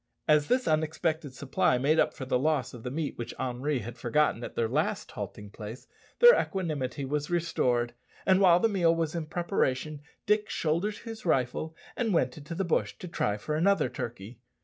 As this unexpected supply made up for the loss of the meat which Henri had forgotten at their last halting place, their equanimity was restored; and while the meal was in preparation Dick shouldered his rifle and went into the bush to try for another turkey.